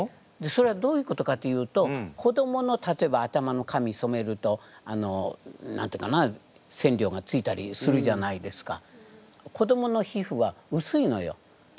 それはどういうことかというと子どもの例えば頭の髪そめると何て言うかな染料がついたりするじゃないですか。